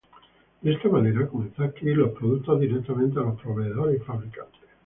De esta manera comenzó a adquirir los productos directamente a los proveedores y fabricantes.